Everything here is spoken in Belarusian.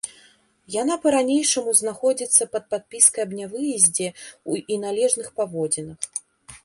Яна па-ранейшаму знаходзіцца пад падпіскай аб нявыездзе і належных паводзінах.